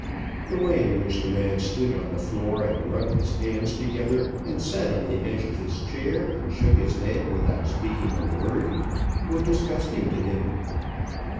The way in which the man stood on the floor and rubbed his hands together, and sat on the edge of his chair, and shook his head without speaking a word, were disgusting to him.